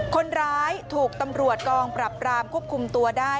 คนร้ายถูกตำรวจกองปรับรามควบคุมตัวได้